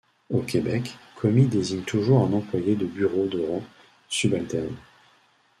Au Québec, commis désigne toujours un employé de bureau de rang subalterne.